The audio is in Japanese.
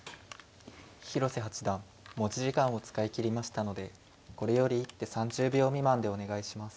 広瀬八段持ち時間を使い切りましたのでこれより一手３０秒未満でお願いします。